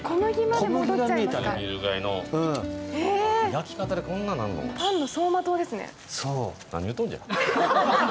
焼き方でこんななるの？